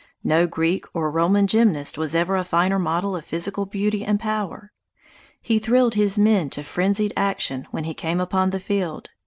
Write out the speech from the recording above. No Greek or Roman gymnast was ever a finer model of physical beauty and power. He thrilled his men to frenzied action when he came upon the field.